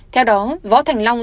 theo đó võ thành long